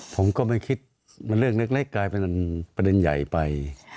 ผมก็ไม่คิดมันเรื่องเล็กกลายเป็นประเด็นใหญ่ไป